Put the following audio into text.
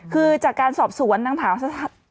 คือจากการสอบสวนนางผาวะใช้หัด